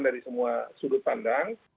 dari semua sudut pandang